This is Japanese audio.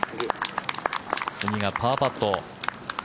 次がパーパット。